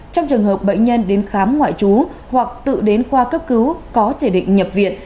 trong trường hợp bệnh nhân đến khám ngoại trú hoặc tự đến khoa cấp cứu có chỉ định nhập viện